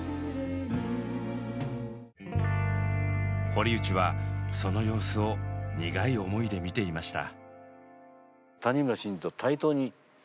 堀内はその様子を苦い思いで見ていました。